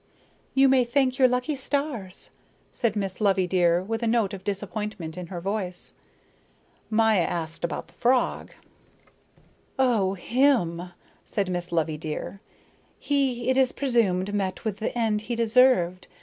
"You may thank your lucky stars," said Miss Loveydear with a note of disappointment in her voice. Maya asked about the frog. "Oh, him," said Miss Loveydear. "He, it is presumed, met with the end he deserved.